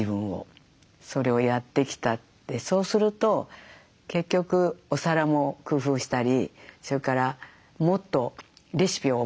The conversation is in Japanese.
そうすると結局お皿も工夫したりそれからもっとレシピを覚えないといけないとか。